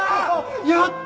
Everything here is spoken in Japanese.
やった！